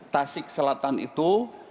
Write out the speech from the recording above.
tasik selatan itu